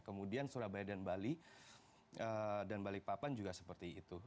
kemudian surabaya dan bali dan balikpapan juga seperti itu